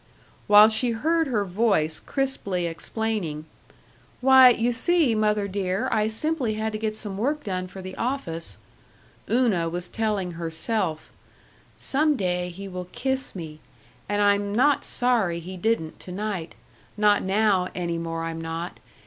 While she heard her voice crisply explaining, "Why, you see, mother dear, I simply had to get some work done for the office " Una was telling herself, "Some day he will kiss me, and I'm not sorry he didn't to night not now any more I'm not....